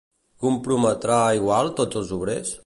Comprometrà igual tots els obrers?